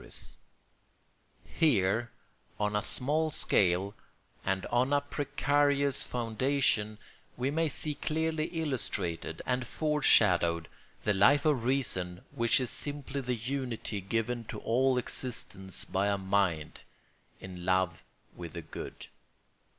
] Here, on a small scale and on a precarious foundation, we may see clearly illustrated and foreshadowed that Life of Reason which is simply the unity given to all existence by a mind in love with the good.